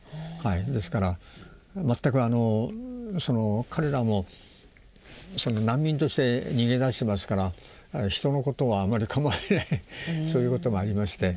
ですから全く彼らも難民として逃げ出してますから人のことはあまり構えないそういうこともありまして。